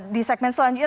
di segmen selanjutnya